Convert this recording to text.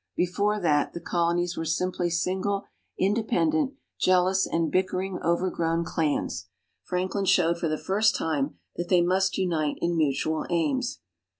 Before that, the Colonies were simply single, independent, jealous and bickering overgrown clans. Franklin showed for the first time that they must unite in mutual aims.